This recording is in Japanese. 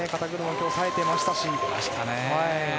今日、冴えていましたし。